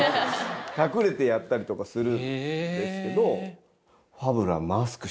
隠れてやったりとかするんですけど。